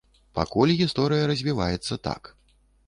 Пакуль гісторыя развіваецца так.